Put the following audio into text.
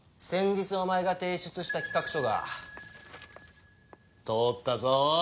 先日お前が提出した企画書が通ったぞ！